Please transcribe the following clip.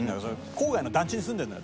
郊外の団地に住んでるのよ。